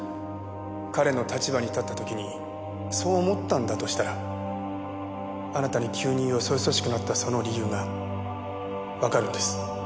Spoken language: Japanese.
彼の立場に立った時にそう思ったんだとしたらあなたに急によそよそしくなったその理由がわかるんです。